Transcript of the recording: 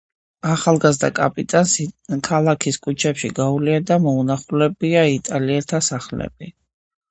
ახალგაზრდა კაპიტანს ქალაქის ქუჩებში გაუვლია და მოუნახულებია იტალიელთა სახლები.